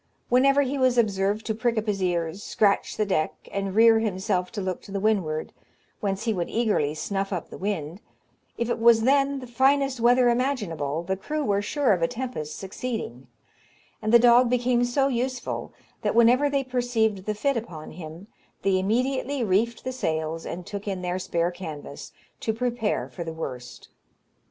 Whenever he was observed to prick up his ears, scratch the deck, and rear himself to look to the windward, whence he would eagerly snuff up the wind, if it was then the finest weather imaginable, the crew were sure of a tempest succeeding; and the dog became so useful, that whenever they perceived the fit upon him, they immediately reefed the sails, and took in their spare canvas, to prepare for the worst.